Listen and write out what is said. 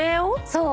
そう。